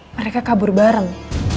mereka kabur bareng